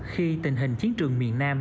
khi tình hình chiến trường miền nam